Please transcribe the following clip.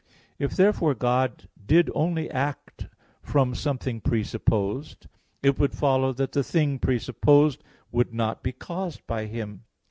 If therefore God did only act from something presupposed, it would follow that the thing presupposed would not be caused by Him.